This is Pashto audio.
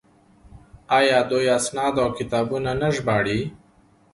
آیا دوی اسناد او کتابونه نه ژباړي؟